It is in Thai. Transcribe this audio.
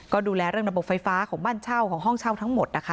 ก็ดูแลเรื่องระบบไฟฟ้าของบ้านเช่าของห้องเช่าทั้งหมดนะคะ